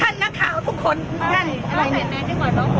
นักข่าวทุกคนนั่นอะไรนี้